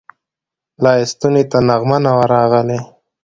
لا یې ستوني ته نغمه نه وه راغلې